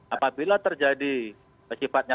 apabila terjadi kesifatnya